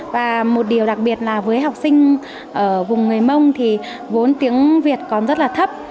và một điều đặc biệt là với học sinh ở vùng người mông thì vốn tiếng việt còn rất là thấp